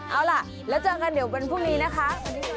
เอาล่ะแล้วเจอกันเดี๋ยววันพรุ่งนี้นะคะ